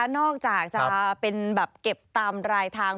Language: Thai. นอกจากจะเป็นแบบเก็บตามรายทาง